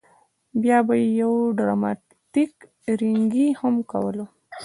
بیا به یې یو ډراماتیک رینګی هم کولو.